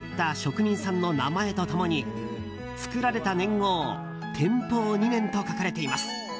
しょうゆおけを作った職人さんの名前と共に作られた年号天保２年と書かれています。